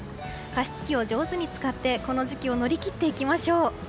加湿器を上手に使ってこの時期を乗り切っていきましょう。